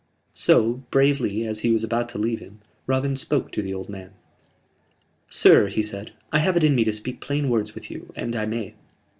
So bravely, as he was about to leave him, Robin spoke to the old man. "Sir," he said, "I have it in me to speak plain words with you, and I may."